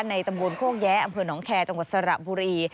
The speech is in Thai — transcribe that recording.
ตำบลโคกแยะอำเภอหนองแคร์จังหวัดสระบุรี